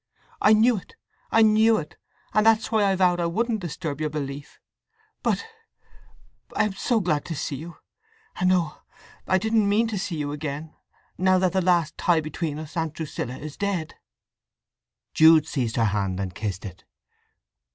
"I knew it—I knew it! And that's why I vowed I wouldn't disturb your belief. But—I am so glad to see you!—and, oh, I didn't mean to see you again, now the last tie between us, Aunt Drusilla, is dead!" Jude seized her hand and kissed it.